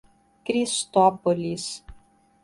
Cristópolis